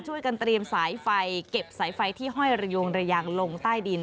ช่วยกันเตรียมสายไฟเก็บสายไฟที่ห้อยระยงระยางลงใต้ดิน